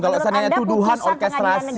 kalau tanya tanya tuduhan orkestrasi